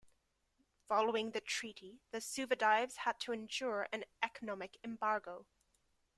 Following that treaty the Suvadives had to endure an economic embargo.